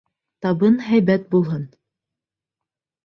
Табын һәйбәт булһын!